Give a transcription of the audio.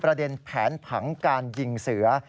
ประเด็นแผนผังการยิงเสือ